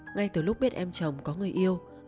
ngay từ lúc biết em chồng có người yêu